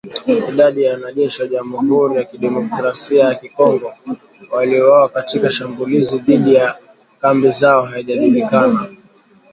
Idadi ya wanajeshi wa Jamuhuri ya Kidemokrasia ya Congo waliouawa katika shambulizi dhidi ya kambi zao haijajulikana